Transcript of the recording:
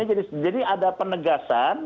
jadi ada penegasan